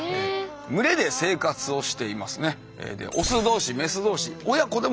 群れで生活をしていますね。